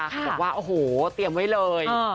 บอกว่าโอ้โหเตรียมไว้เลย